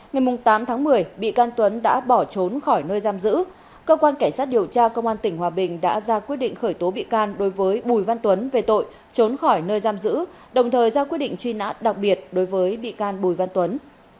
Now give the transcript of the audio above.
ngày tám tháng một mươi bị can tuấn đã bỏ trốn khỏi nơi giam giữ cơ quan cảnh sát điều tra công an tỉnh hòa bình đã ra quyết định khởi tố bị can đối với bùi văn tuấn về tội trốn khỏi nơi giam giữ đồng thời ra quyết định truy nã đặc biệt đối với bị can bùi văn tuấn